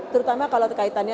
terutama kalau terkaitannya